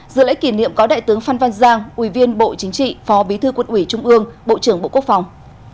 dự lễ kỷ niệm có đại tướng phan văn giang ủy viên bộ chính trị phó bí thư quân ủy trung ương bộ trưởng bộ quốc phòng